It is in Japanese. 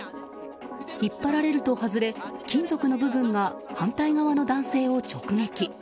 引っ張られると外れ金属の部分が反対側の男性を直撃。